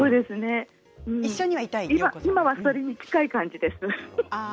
今はそれに近い感じです。